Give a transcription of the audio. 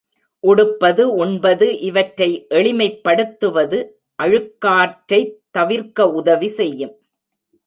உடுப்பது உண்பது இவற்றை எளிமைப் படுத்துவது அழுக்காற்றைத் தவிர்க்க உதவி செய்யும்.